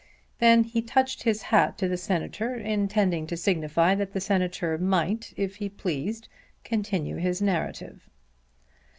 Then he touched his hat to the Senator intending to signify that the Senator might, if he pleased, continue his narrative.